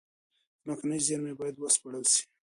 ځمکني زېرمي بايد و سپړل سي.